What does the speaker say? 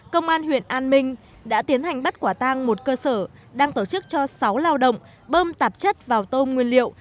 công an huyện an minh đã tiến hành bắt quả tang một cơ sở đang tổ chức cho sáu lao động bơm tạp chất vào tôm nguyên liệu